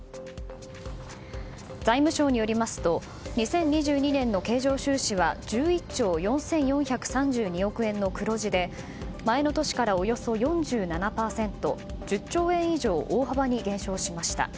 財務省によりますと２０２２年の経常収支は１１兆４４３２億円の黒字で前の年からおよそ４７％１０兆円以上大幅に減少しました。